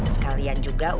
sekalian juga untuk